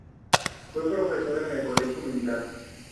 Fue profesor en el Colegio Militar.